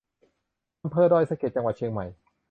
อำเภอดอยสะเก็ด จังหวัดเชียงใหม่